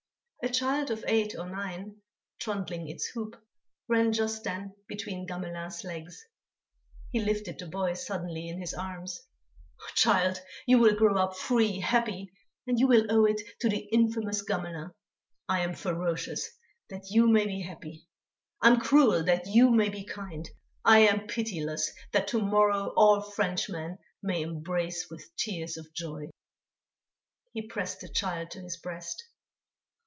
A child of eight or nine, trundling its hoop, ran just then between Gamelin's legs. He lifted the boy suddenly in his arms: "Child, you will grow up free, happy, and you will owe it to the infamous Gamelin. I am ferocious, that you may be happy. I am cruel, that you may be kind; I am pitiless, that to morrow all Frenchmen may embrace with tears of joy." He pressed the child to his breast.